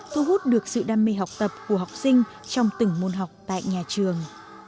thu hút được sự đam mê học tập của học sinh trong từng môn học tại nhà trường